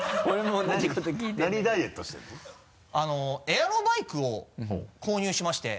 エアロバイクを購入しまして。